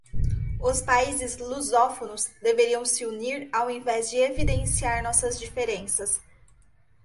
Os países lusófonos deveriam se unir ao invés de evidenciar nossas diferenças